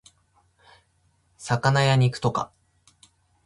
魚や肉とか